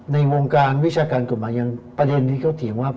ในวงการวิชาการกฎหมายยังประเด็นที่เขาเถียงว่า